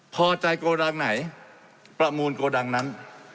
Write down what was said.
พอใจโกดังไหนประมูลโกดังนั้น